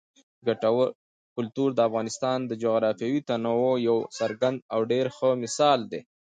کلتور د افغانستان د جغرافیوي تنوع یو څرګند او ډېر ښه مثال دی.